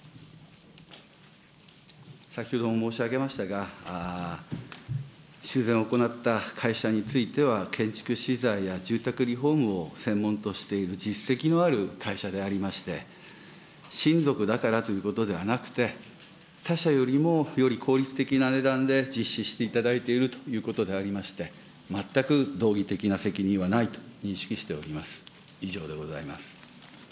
先ほども申し上げましたが、修繕を行った会社については、建築資材や住宅リフォームを専門としている実績のある会社でありまして、親族だからということではなくて、他社よりもより効率的な値段で実施していただいているということでございまして、全く道義的な責任はないと認識しております。